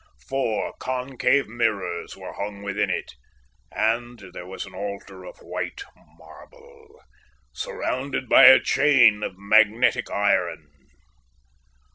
Four concave mirrors were hung within it, and there was an altar of white marble, surrounded by a chain of magnetic iron.